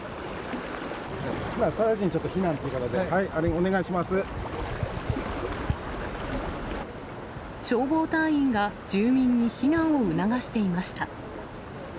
直ちにちょっと避難という形消防隊員が住民に避難を促していました。